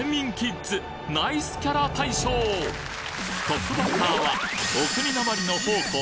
トップバッターはお国訛りの宝庫